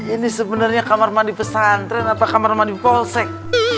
ini sebenarnya kamar mandi pesantren atau kamar mandi polsek